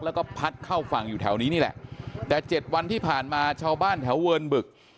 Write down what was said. แล้วก็พัดเข้าฝั่งอยู่แถวนี้นี่แหละแต่เจ็ดวันที่ผ่านมาชาวบ้านแถวเวิร์นบึก